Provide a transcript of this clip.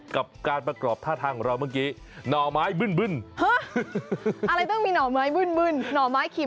กับการประกรอบท่าทางของเราเมื่อกี้